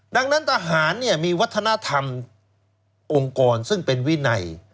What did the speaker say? ดังนั้นทหารมีวัฒนธรรมองค์กรซึ่งเป็นวินัย